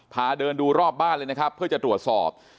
พาเดินดูรอบบ้านเลยนะครับเพื่อจะตรวจสอบ